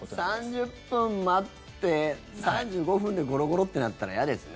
３０分待って３５分でゴロゴロって鳴ったら嫌ですね。